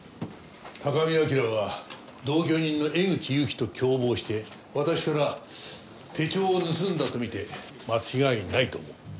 高見明は同居人の江口ゆきと共謀して私から手帳を盗んだとみて間違いないと思う。